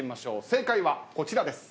正解はこちらです。